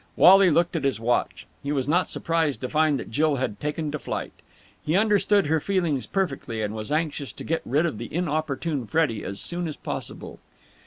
Wally looked at his watch. He was not surprised to find that Jill had taken to flight. He understood her feelings perfectly, and was anxious to get rid of the inopportune Freddie as soon as possible.